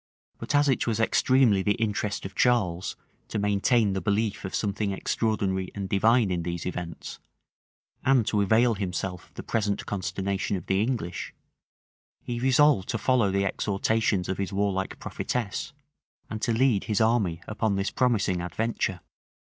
But as it was extremely the interest of Charles to maintain the belief of something extraordinary and divine in these events, and to avail himself of the present consternation of the English, he resolved to follow the exhortations of his warlike prophetess, and to lead his army upon this promising adventure.